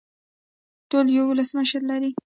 ټول یو ولسمشر لري